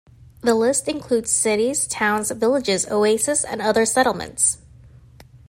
The list includes cities, towns, villages, oases and other settlements.